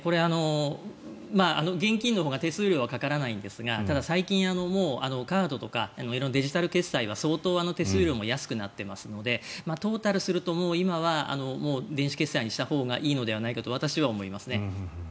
現金のほうが手数料はかからないんですがただ、最近もうカードとか色んなデジタル決済が相当、手数料も安くなっているのでトータルすると今は電子決済にしたほうがいいのではないかと私は思いますね。